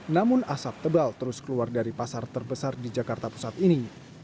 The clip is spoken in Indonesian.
namun asap tebal terus keluar dari pasar terbesar di jakarta pusat ini